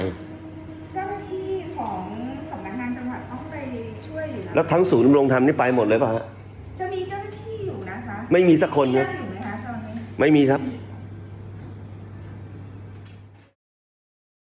เจ้าที่ของสำหรับงานจังหวัดต้องไปช่วยอยู่แล้วแล้วทั้งสูตรโรงทำนี้ไปหมดเลยเปล่าฮะ